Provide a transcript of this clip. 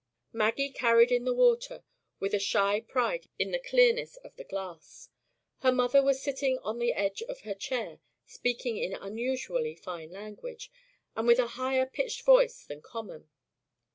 Maggie carried in the water, with a shy pride in the clearness of the glass. Her mother was sitting on the edge of her chair, speaking in unusually fine language, and with a higher pitched voice than common.